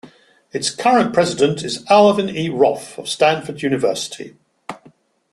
Its current president is Alvin E. Roth of Stanford University.